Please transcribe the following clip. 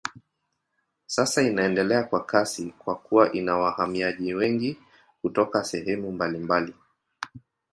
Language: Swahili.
Sasa inaendelea kwa kasi kwa kuwa ina wahamiaji wengi kutoka sehemu mbalimbali.